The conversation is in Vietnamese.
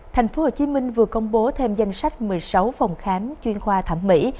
tp hcm vừa công bố thêm danh sách một mươi sáu phòng khám chuyên khoa thẩm mỹ